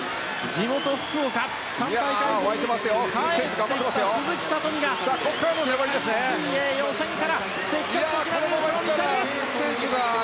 地元・福岡、３大会ぶりに帰ってきた鈴木聡美が予選から積極的なレースを見せる。